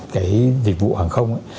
cái dịch vụ hàng không